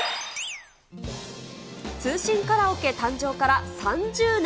通信カラオケ誕生から３０年。